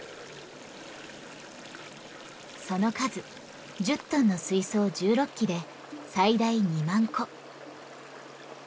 その数１０トンの水槽１６基で最大２万個。